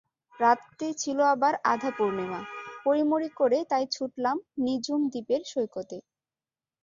রাতটি ছিল আবার আধা পূর্ণিমা, পড়িমরি করে তাই ছুটলাম নিঝুম দ্বীপের সৈকতে।